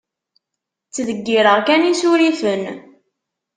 Ttdeggireɣ kan isurifen.